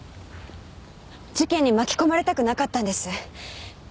事件に巻き込まれたくなかったんです。